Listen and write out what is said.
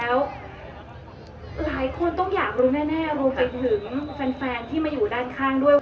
แล้วหลายคนต้องอยากรู้แน่รวมไปถึงแฟนที่มาอยู่ด้านข้างด้วย